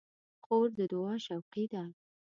خور د دعا شوقي ده.